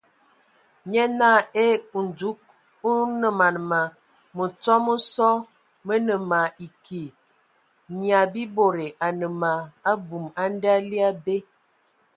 Nye naa : Ee ! Ndzug o nǝman ma! Mǝtsɔ mə sɔ mə nǝ ma eki, Nyiabibode a nǝ ma abum a nda ali abe !